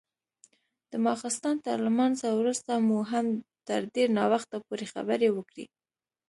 د ماخستن تر لمانځه وروسته مو هم تر ډېر ناوخته پورې خبرې وکړې.